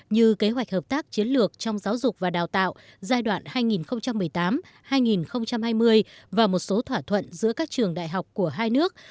như kế hoạch hợp tác chiến lược trong giáo dục và đào tạo giai đoạn hai nghìn một mươi tám hai nghìn hai mươi và một số thỏa thuận giữa các trường đại học của hai nước